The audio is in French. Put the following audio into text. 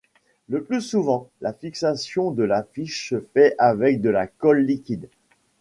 Le plus souvent, la fixation de l'affiche se fait avec de la colle liquide.